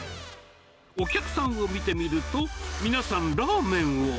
お客さんを見てみると、皆さん、ラーメンを。